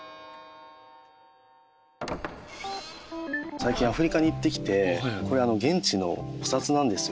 最近アフリカに行ってきてこれ現地のお札なんですよ。